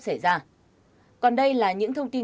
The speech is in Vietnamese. xảy ra còn đây là những thông tin